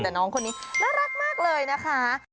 แต่น้องคนนี้น่ารักมากเลยนะคะ